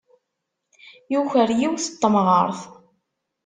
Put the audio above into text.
Yuker yiwet n temɣart.